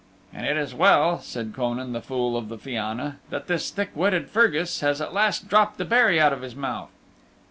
"And it is well," said Conan, the Fool of the Fianna, "that this thick witted Fergus has at last dropped the berry out of his mouth."